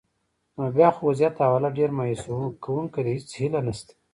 نو بیا خو وضعیت او حالات ډېر مایوسونکي دي، هیڅ هیله نشته.